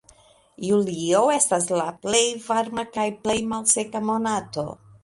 Julio estas la plej varma kaj plej malseka monato.